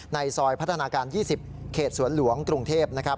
ในซอยพัฒนาการ๒๐เขตสวรรค์หลวงกรุงเทพฯ